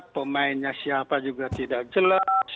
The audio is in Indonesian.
pemainnya siapa juga tidak jelas